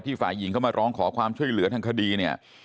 ฝ่ายหญิงเข้ามาร้องขอความช่วยเหลือทางคดีเนี่ย